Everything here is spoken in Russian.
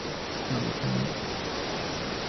Стало темнеть.